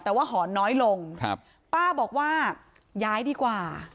แต่ว่าหอนน้อยลงครับป้าบอกว่าย้ายดีกว่า